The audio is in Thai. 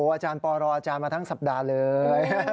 อาจารย์ปอรออาจารย์มาทั้งสัปดาห์เลย